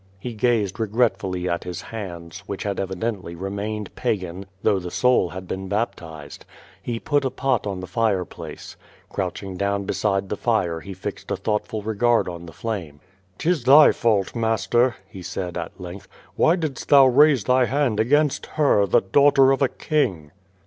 He gazed regretfully at his hands, which had evidently remain ed Pagan though the soul had been baptized. He put a i)ot on the fireplace. Crouching down beside the fire he fixed a thoughtful regard on the flame. " 'Tis thy fault, master," he said, at length. 'T^y didst thou raise thy hand against her, the daughter of a king?"